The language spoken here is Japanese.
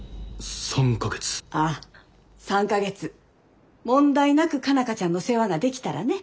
ああ３か月問題なく佳奈花ちゃんの世話ができたらね。